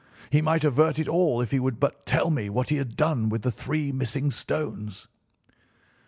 He might avert it all if he would but tell me what he had done with the three missing stones.